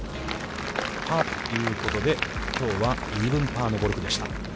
パーということで、きょうはイーブンパーのゴルフでした。